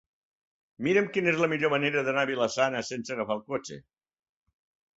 Mira'm quina és la millor manera d'anar a Vila-sana sense agafar el cotxe.